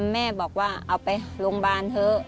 แม่บอกว่าเอาไปโรงพยาบาลเถอะ